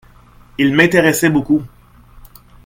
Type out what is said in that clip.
Il m'intéressait beaucoup.